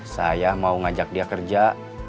saya mau ngajak dia kerja